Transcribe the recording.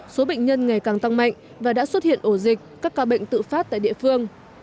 số bệnh nhân ngày càng tăng mạnh và đã xuất hiện ổ dịch các ca bệnh tự phát tại địa phương